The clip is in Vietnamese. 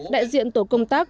đại diện tổ công tác